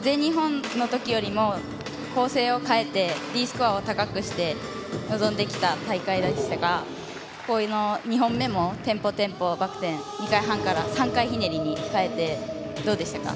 全日本の時より構成を変えてＤスコアを高くして臨んできた大会でしたが２本目もテンポ、テンポバク転を２回半から３回ひねりに変えてどうでしたか？